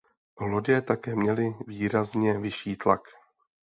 Lodě také měly výrazně vyšší výtlak.